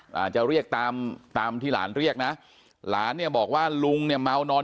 อาจจะเรียกตามตามที่หลานเรียกนะหลานเนี่ยบอกว่าลุงเนี่ยเมานอน